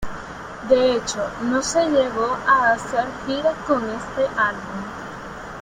De hecho, no se llegó a hacer gira con este álbum.